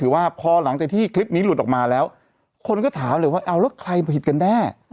คือว่าพอหลังจากที่คลิปนี้หลุดออกมาแล้วคนก็ถามเลยว่าเอาแล้วใครผิดกันแน่